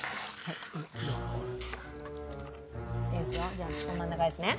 じゃあ私が真ん中ですね。